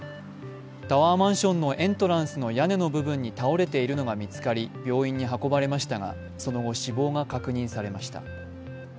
タワーマンションのエントランスの屋根の部分に倒れているのが見つかり病院に運ばれましたがその後、死亡が確認されました。